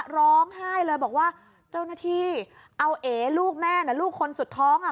ร้องไห้เลยบอกว่าเจ้าหน้าที่เอาเอลูกแม่น่ะลูกคนสุดท้องอ่ะ